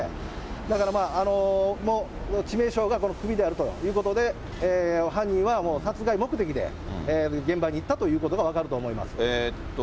だから致命傷が首であるということで、犯人は殺害目的で現場に行ったということが分かると思います。